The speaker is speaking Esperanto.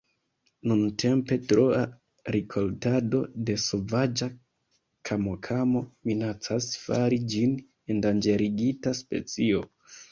Nuntempe troa rikoltado de sovaĝa kamokamo minacas fari ĝin endanĝerigita specio.